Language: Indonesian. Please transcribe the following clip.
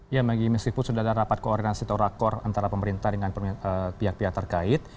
ya magi meskiput sudah dapat koordinasi torakor antara pemerintah dengan pihak pihak terkait